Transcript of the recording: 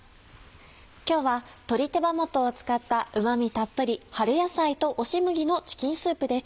今日は鶏手羽元を使った旨味たっぷり「春野菜と押し麦のチキンスープ」です。